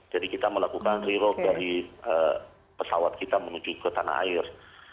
jadi kita melakukan re roll dari pesawat kita menuju ke tanah air